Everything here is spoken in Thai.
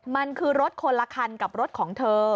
มันคือรถคนละคันกับรถของเธอ